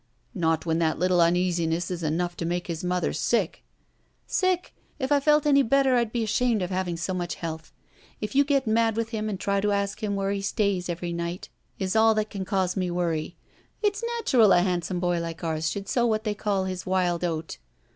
•'Not when that little uneasiness is enough to make his mother sick." •*Sick! K I felt any better I'd be ashamed of having so much health! If you get mad with him and try to ask him where he stays every night is all that can cause me worry. It's natural a handsome boy like ours should sow what they call his wild oat.